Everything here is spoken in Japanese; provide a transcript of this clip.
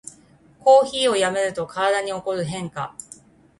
コーヒーをやめると体に起こる変化